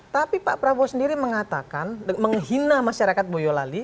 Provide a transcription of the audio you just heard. tapi pak prabowo sendiri mengatakan menghina masyarakat boyo lali